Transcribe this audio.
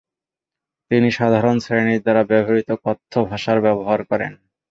তিনি সাধারণ শ্রেণীর দ্বারা ব্যবহৃত কথ্য ভাষার ব্যবহার করেন।